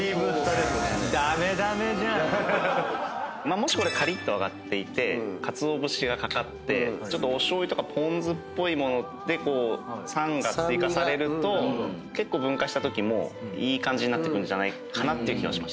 もしこれカリッと揚がっていて鰹節が掛かってちょっとお醤油とかぽん酢っぽいもので酸が追加されると結構分解したときもいい感じになってくるんじゃないかなっていう気はしました。